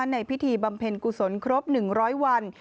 พิธีบำเพ็ญกุศลครบ๑๐๐วัน